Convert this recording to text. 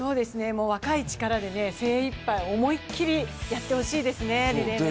若い力で精いっぱい思い切りやってほしいですね。